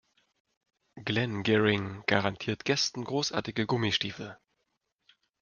Glenn Gehring garantiert Gästen großartige Gummistiefel.